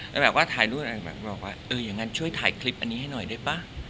แล้วแบบว่าถ่ายรูปบอกว่าเอออย่างนั้นช่วยถ่ายคลิปอันนี้ให้หน่อยได้ป่ะ